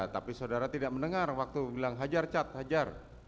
tapi saudara tidak mendengar waktu bilang hajar cat hajar